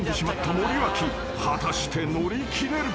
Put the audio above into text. ［果たして乗り切れるか？］